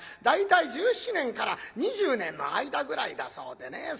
大体１７年から２０年の間ぐらいだそうでね。